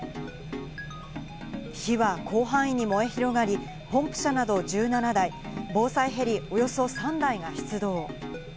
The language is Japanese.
火は広範囲に燃え広がり、ポンプ車など１７台、防災ヘリおよそ３台が出動。